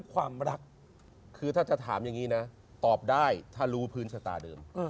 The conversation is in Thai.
คือถ้าจะถามอย่างงี้นะตอบได้ทารู้พื้นชะตาเดิม